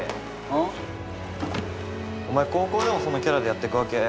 ん？お前高校でもそのキャラでやってくわけ？